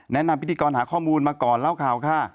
นำพิธีกรหาข้อมูลมาก่อนเล่าข่าวค่ะ